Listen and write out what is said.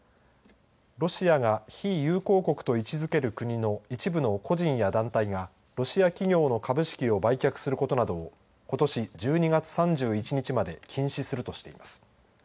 ロシアが非友好国と位置づける国の一部の個人や団体がロシア企業の株式を売却することなどをことし１２月３１日まで禁止するとしています。